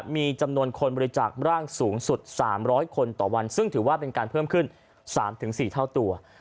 มีจำนวนคนบริจาคร่างสูงสุด๓๐๐คนต่อวันซึ่งถือว่าเป็นการเพิ่มขึ้น๓๔เท่าตัว